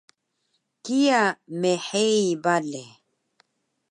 kiya mhei bale